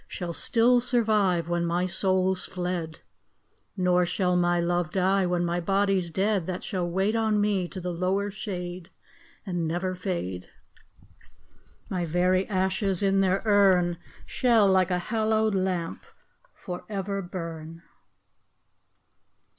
Shall still survive Wlien my soul's fled ; Nor shall my love die, when ray Ijody's dead ; That shall wait on me to the lower shade, And never fade : My very ashes in their urn Shall, like a hallowed lamp, for ever burn.